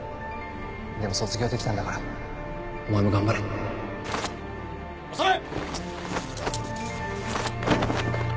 でも卒業できたんだからお前も頑張れ納め。